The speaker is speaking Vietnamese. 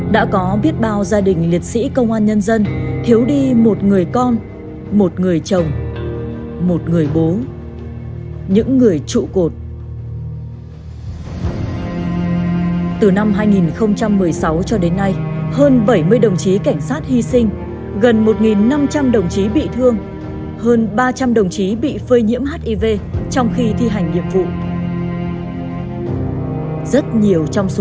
đã có biết bao gia đình liệt sĩ công an nhân dân thiếu đi một người con một người chồng một người bố những người trụ cột